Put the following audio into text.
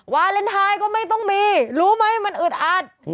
วาเลนไทยก็ไม่ต้องมีรู้ไหมมันอึดอัด